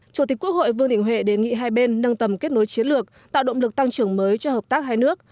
chủ tịch quốc hội vương đình huệ đề nghị hai bên nâng tầm kết nối chiến lược tạo động lực tăng trưởng mới cho hợp tác hai nước